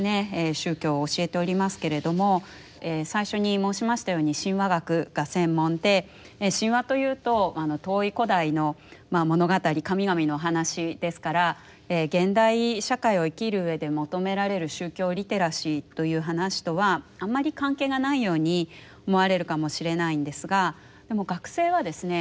宗教を教えておりますけれども最初に申しましたように神話学が専門で神話というと遠い古代の物語神々の話ですから現代社会を生きるうえで求められる宗教リテラシーという話とはあまり関係がないように思われるかもしれないんですが学生はですね